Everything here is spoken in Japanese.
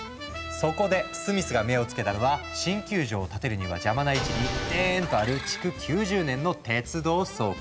そこでスミスが目を付けたのは新球場を建てるには邪魔な位置にデーンッとある築９０年の鉄道倉庫。